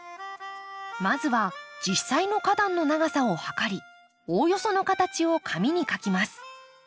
まずは実際の花壇の長さを測りおおよその形を紙に描きます。